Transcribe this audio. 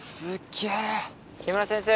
木村先生